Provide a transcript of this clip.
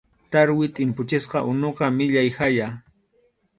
Tarwi tʼimpuchisqa unuqa millay haya.